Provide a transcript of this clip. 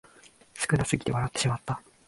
少なすぎて笑ってしまった